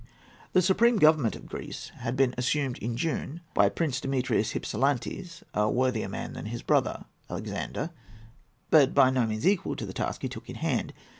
] The supreme government of Greece had been assumed in June by Prince Demetrius Hypsilantes, a worthier man than his brother Alexander, but by no means equal to the task he took in hand.